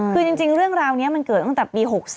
คือจริงเรื่องราวนี้มันเกิดตั้งแต่ปี๖๔